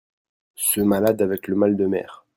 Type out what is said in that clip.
ceux malades avec le mal de mer.